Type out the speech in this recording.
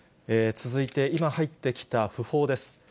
続いて、今入ってきた訃報です。